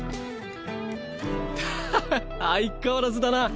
ははっ相変わらずだな。